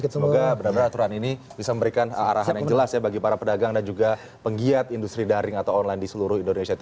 semoga benar benar aturan ini bisa memberikan arahan yang jelas ya bagi para pedagang dan juga penggiat industri daring atau online di seluruh indonesia